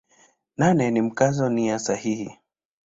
Nane ni Mkazo nia sahihi.